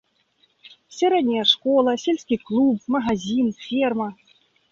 Сярэдняя школа, сельскі клуб, магазін, ферма.